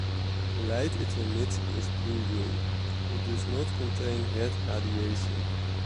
The light it emits is blue-green, it does not contain red radiation.